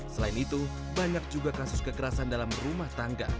selain itu banyak juga kasus kekerasan dalam rumah tangga